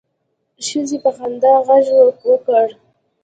ښځې په خندا غږ وکړ.